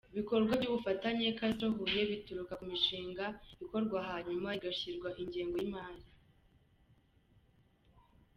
Ibikorwa by’Ubufatanye Castre-Huye bituruka ku mishinga ikorwa hanyuma igashakirwa ingengo y’Imari.